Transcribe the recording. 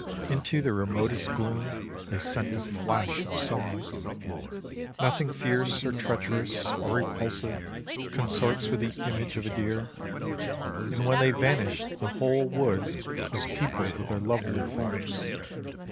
Into the remotest gloom they sent a flash of sunlight. Nothing fierce, or treacherous, or repulsive, consorts with the image of a deer, and when they vanished the whole wood was peopled with their lovely forms.